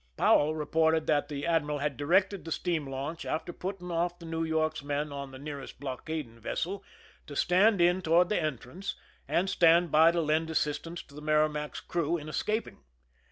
Powell reported that the admiral had directed the steam launch, after putting off the New Yorh^s men on the nearest blockading vessel, to stand in toward the entrance and stand by to lend assistance to the Merrima&s crew in escaping.